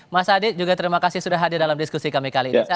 mas adi juga terima kasih sudah hadir dalam diskusi kami kali ini